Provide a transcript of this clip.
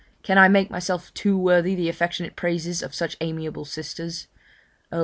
can I make myself too worthy the affectionate praises of such amiable sisters? Oh!